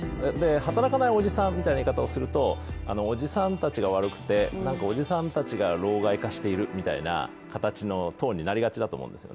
働かないおじさんみたいな言い方をするとおじさんたちが悪くて、なんかおじさんたちが老害化してるというトーンになりがちだと思うんです。